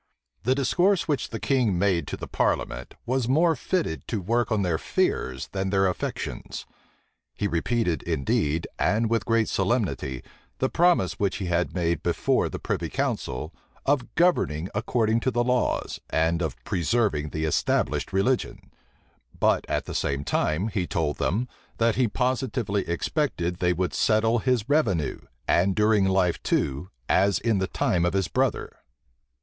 The discourse which the king made to the parliament was more fitted to work on their fears than their affections. He repeated, indeed, and with great solemnity, the promise which he had made before the privy council, of governing according to the laws, and of preserving the established religion: but at the same time, he told them, that he positively expected they would settle his revenue, and during life too, as in the time of his brother.